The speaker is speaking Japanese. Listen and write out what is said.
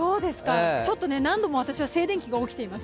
ちょっと何度も私は静電気が起きています。